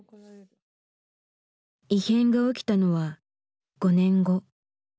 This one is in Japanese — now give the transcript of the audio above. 異変が起きたのは５年後。